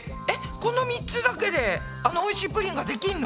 この３つだけであのおいしいプリンができんの？